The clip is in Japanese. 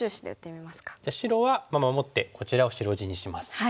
白は守ってこちらを白地にします。